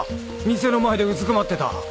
店の前でうずくまってた。